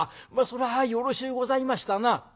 そりゃよろしゅうございましたな」。